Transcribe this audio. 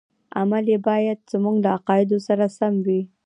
عمل یې باید زموږ له عقایدو سره سم وي.